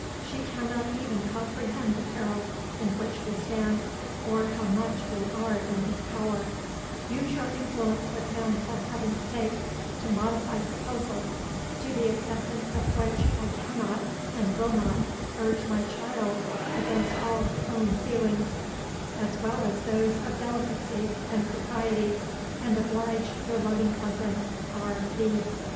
She cannot even comprehend the peril in which we stand, or how much we are in his power Use your influence with him, for Heaven's sake, to modify proposals, to the acceptance of which I cannot, and will not, urge my child against all her own feelings, as well as those of delicacy and propriety, and oblige your loving cousin, R. V."